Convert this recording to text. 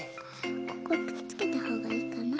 ここくっつけたほうがいいかな。